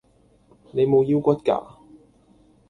你無腰骨架